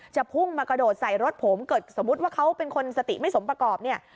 พุ่งมากระโดดใส่รถผมเกิดสมมุติว่าเขาเป็นคนสติไม่สมประกอบเนี่ย